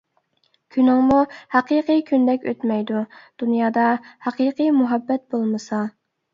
كۈنۈڭمۇ ھەقىقىي كۈندەك ئۆتمەيدۇ، دۇنيادا ھەقىقىي مۇھەببەت بولمىسا.